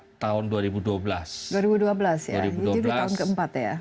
dua ribu dua belas ya jadi tahun keempat ya